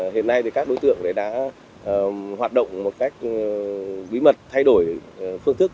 hiện nay thì các đối tượng đã hoạt động một cách bí mật thay đổi phương thức